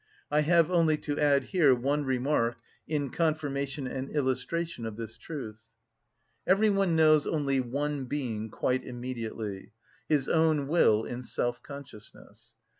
I have only to add here one remark in confirmation and illustration of this truth. Every one knows only one being quite immediately—his own will in self‐ consciousness.